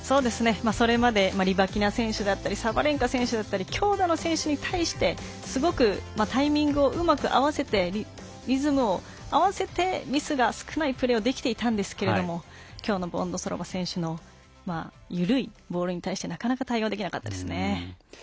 それまでリバキナ選手だったりサバレンカ選手だったり強打の選手に対してすごくタイミングを、うまく合わせてリズムを合わせてミスが少ないプレーはできていたんですけれども今日のボンドロウソバ選手の緩いボールに対してなかなか対応できなかったですね。